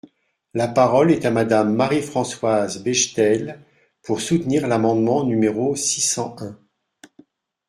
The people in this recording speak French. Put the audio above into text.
La parole est à Madame Marie-Françoise Bechtel, pour soutenir l’amendement numéro six cent un.